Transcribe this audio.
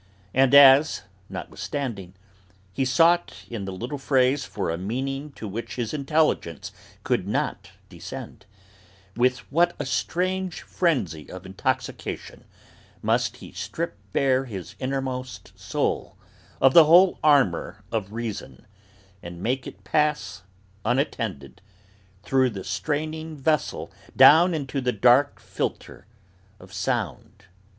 And as, notwithstanding, he sought in the little phrase for a meaning to which his intelligence could not descend, with what a strange frenzy of intoxication must he strip bare his innermost soul of the whole armour of reason, and make it pass, unattended, through the straining vessel, down into the dark filter of sound.